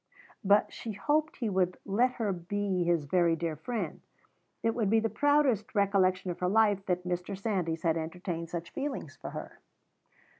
But she hoped he would let her be his very dear friend. It would be the proudest recollection of her life that Mr. Sandys had entertained such feelings for her.